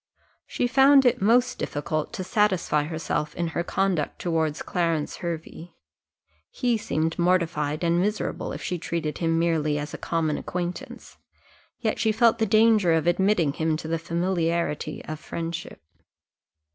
She found it most difficult to satisfy herself in her conduct towards Clarence Hervey: he seemed mortified and miserable if she treated him merely as a common acquaintance, yet she felt the danger of admitting him to the familiarity of friendship.